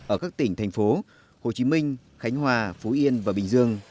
ở các tỉnh thành phố hồ chí minh khánh hòa phú yên và bình dương